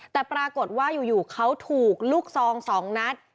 แต่ปรากฏว่าอยู่เขาถูกลูกซอง๒นัด